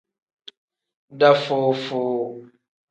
Dafuu-fuu.